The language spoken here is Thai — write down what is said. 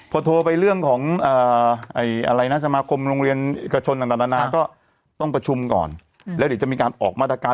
พอโทรไปเรื่องของนักสมาคมโรงเรียนเอกชนอ่ะต้องประชุมก่อนแล้วเดี๋ยวมีการออกมาตรการ